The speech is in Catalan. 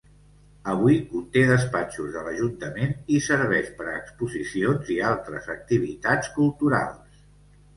Avui conté despatxos de l'ajuntament i serveix per a exposicions i altres activitats culturals.